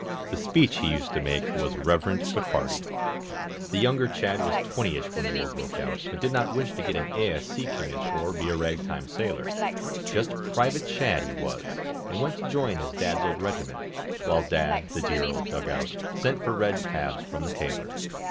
The speech he used to make Was reverent but hearty. The younger Chadd was twentyish When War broke out, but did not wish To get an A.S.C. commish Or be a rag time sailor; Just Private Chadd he was, and went To join his Dad's old regiment, While Dad (the dear old dug out) sent For red tabs from the tailor.